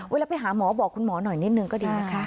เวลาไปหาหมอบอกคุณหมอหน่อยนิดนึงก็ดีนะคะ